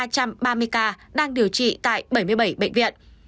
ba trăm ba mươi ca đang điều trị tại bảy mươi bảy bệnh viện